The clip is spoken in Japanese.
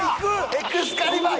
エクスカリバー。